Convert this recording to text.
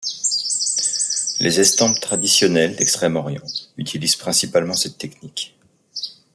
Les estampes traditionnelles d'Extrême-Orient utilisent principalement cette technique.